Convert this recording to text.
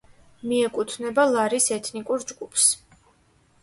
მიეკუთვნება ლარის ეთნიკურ ჯგუფს.